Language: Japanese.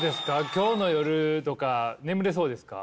今日の夜とか眠れそうですか？